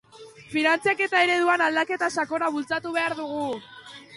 Finantzaketa ereduan aldaketa sakona bultzatu behar dugu.